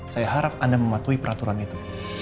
saya harap anda mematuhi peraturan itu